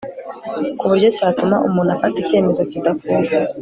ku buryo cyatuma umuntu afata icyemezo kidakuka